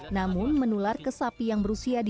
namun menular ke sapi yang berusia di bawah tiga tahun